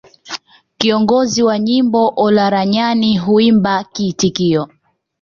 Kiongozi wa nyimbo Olaranyani huimba kiitikio